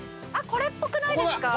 これっぽくないですか？